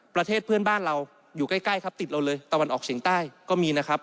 ประเทศเพื่อนบ้านเราอยู่ใกล้ครับติดเราเลยตะวันออกเฉียงใต้ก็มีนะครับ